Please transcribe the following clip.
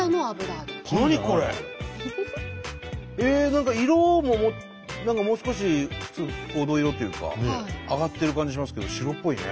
何か色も何かもう少し普通黄土色っていうか揚がってる感じしますけど白っぽいね。